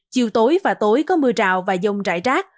chiều tối và tối có mưa rào và dông rải rác